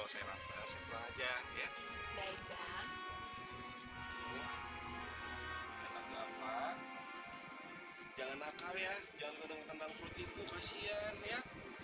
jangan kena kena kutipu kasihan ya